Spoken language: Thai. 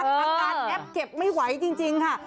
อาการแอปเก็บไม่ไหวจริงค่ะ